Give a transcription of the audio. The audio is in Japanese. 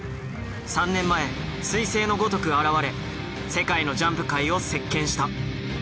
３年前すい星のごとく現れ世界のジャンプ界を席けんした。